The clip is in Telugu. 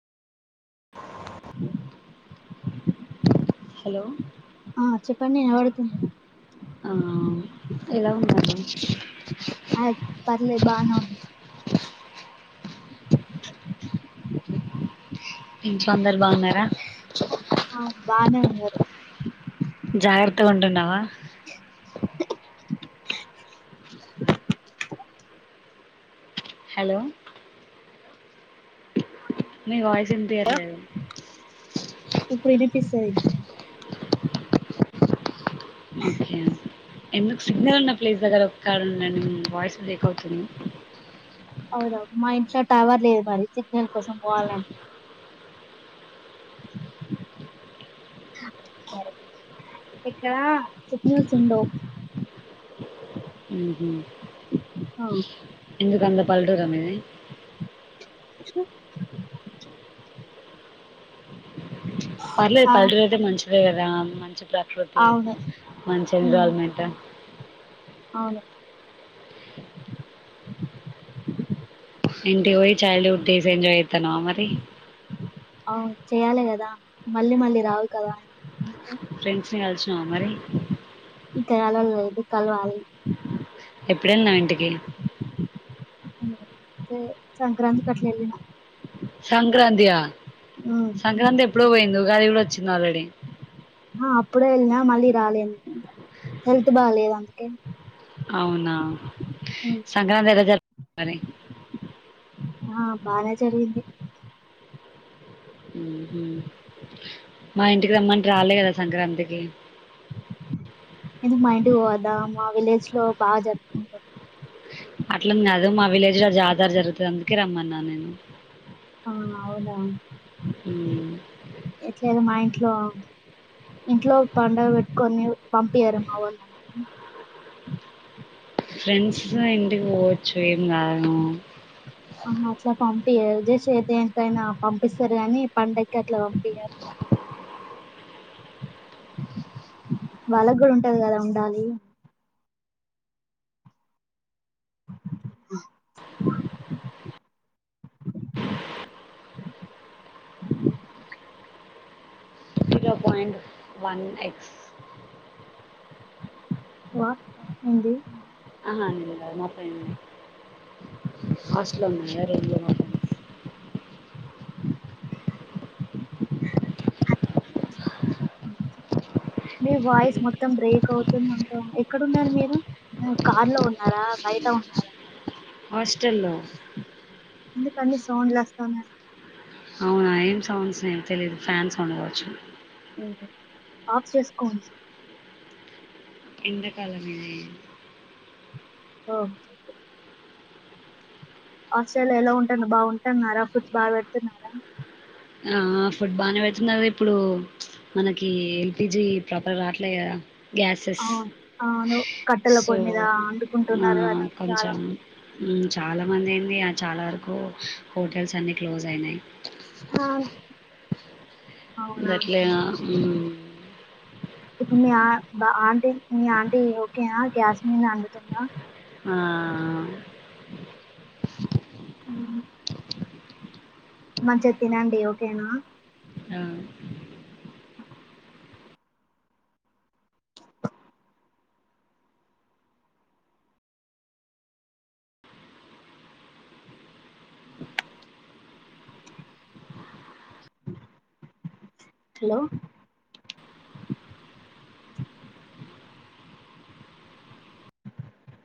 హలో ఆ చెప్పండి ఎలా పడుతుంది ఆ ఎలా ఉన్నా ఆ పర్లేదు బానే ఉంది [inaudible] ఇంట్లో అందరూ బానే ఉన్నారు జాగ్రత్తగా ఉంటున్నావా [inaudible] హలో మీ వా వినిపియ్యట్లేదు ఇప్పుడు ఇనిపిస్తయి ఎందుకు సిగ్నల్ ఉన్న ప్లేస్ దగ్గర ఒక కండి వాయిస్ బ్రేక్ అవుతుంది అవును మా ఇంట్లో టవర్ లేదు మరి సిగ్నల్ కోసం పోవాలంటే ఇక్కడ సిగనల్స్ ఉండవు ఉహ అవు ఎందుకంత పల్లెటూరి మీది స పర్లేదు ఆ, పల్ట అయితే మంచిదే కదా మంచి ప్రకృతి అవును మంచి ఉమ్, ఎన్జరాల్మెంట్ అవును ఇంటికి పోయి చాలు టీలు ఎంజాయ్ చెయ్ ఇ తను మరి అవును చెయ్యాలి కదా మళ్ళీ మళ్ళీ రావు కదా అని ఫ్రెండ్స్ ని కలిసా ఆ మరి ఇకా వెలల్ ఇది కలవాలి ఎప్పుడన్నా ఇంటికి సంక్రాంతి పట్టల నా సంక్రాంతి సంక్రాంతి ఎప్పుడో పోయింది ఉగాది కూడా వచ్చే వచ్చ నాలడ ఆ అప్పుడే వెళ్నా మళ్ళీ రాలే హెల్త్ బాలేదు అందుకే అవునా ఉమ్, సంక్రాంతి ఎలా జరుపుకున్నారు సరే ఆ బానే జరిగింది మా ఇంటికి రమ్మంట రాలే కదా సంక్రాంతికి ఎందుకు మా ఇంటికి పోవద్దా మా విలేజ్ లో బాగా జరుపుకుంటారు అట్ల కాదు మా విలేజ్ లో జాతర జరుగుతుంది అందుకే రమ్మన్నా నేను ఆ అవునా మ్ ఎట్లేదు మా ఇంట్లో ఇంట్లో పండగ పెట్ కొన్ని పంపియ్యరు మా వాళ్ళ ఫ్రెండ్స్ ఇంటికి పోవచ్చు ఏం కాదు ఆా అట్లా పం త్యాంకయినా పంపిస్తారు కాని పండగకి అట్లా పంపిించారు వాళ్ళకు కూడా ఉంటది కదా ఉండాలి అ అ అ పాయిట్ వన్ ఎస్ ఓ ఆహాం మా ఫైంది ఫస్లో ఉన్నాేర మీ వాయిస్ మొత్తం బ్రేక్ అవుతుంది అంటే ఎక్కడన్నారు మీరు కార్ లో ఉన్నారా బయట ఉన్నారా హోస్టల్ లో ఇందుకన్న సడ్ లాస్స్తామ అవునా ఏం సౌండ్స్ తెలీదు ఫ్యాన్ సౌండ్ కావచ్చు ఆఫ్ చేసుకోండి ఎంత కాాలమ ఓ ఆస్ట్రేలియా ఎలా ఉంటుంది బాగుంటున్నారా ఫుట్ బాల్ పెడుతున్నారా ఆ ఫుడ్ బాగా పెడుతుందిద ఇప్పుడు మనకి ఎల్పిజీ ప్రాపర్ రావట్లేదు కదా గ్యాసెస్ అవును అవును కట్టెల సో పొయ్యి మీద అండుకుంటున్నారు కదా చాలా కొంచెం మంది. చాలా మంది అయింది చాలా వరకు ఇకు హోటల్స్ అన్నిీ క్లోజ్ అయినాయి ఆ అవునా ట్లే ఈ ఇప్పుడు మీ ఆ ఆంటీ మీ ఆంటీ ఓకేనా క్యాస్మిన్ అండుతుందా ఆ అ మంచి తినండి ఓకేనా ఆ! హలో